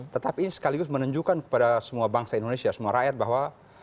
tetapi ini sekaligus menunjukkan kepada semua bangsa indonesia semua rakyat bahwa